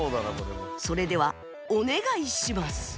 それではお願いします